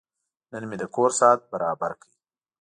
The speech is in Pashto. نن مې د کور ساعت برابر کړ.